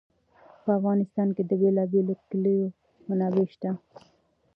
په افغانستان کې د بېلابېلو کلیو منابع شته.